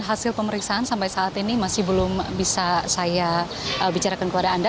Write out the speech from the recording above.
hasil pemeriksaan sampai saat ini masih belum bisa saya bicarakan kepada anda